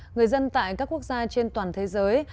người dân tại các quốc gia trên toàn thế giới